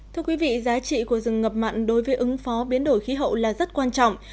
thưa quý vị giá trị của rừng ngập mặn đối với ứng phó biến đổi khí hậu là rất quan trọng